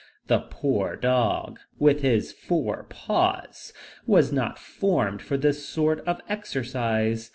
The poor dog, with his four paws, was not formed for this sort of exercise.